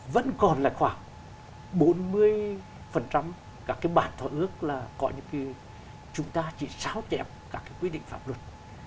vẫn còn là khoảng bốn mươi các cái bản thỏa ức là chúng ta chỉ sáo chẹp các cái quy định pháp luật